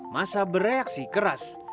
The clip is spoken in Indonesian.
massa bereaksi keras